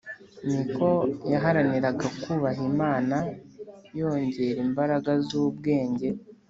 ni ko yaharaniraga kubaha imana yongera imbaraga z’ubwenge